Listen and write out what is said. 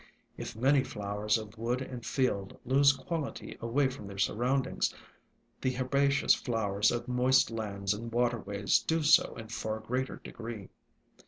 If many flowers of wood and field lose quality away from their surroundings, the herba ceous flowers of moist lands and waterways do so in far greater degree.